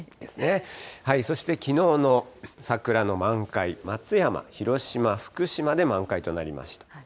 そしてきのうの桜の満開、松山、広島、福島で満開となりました。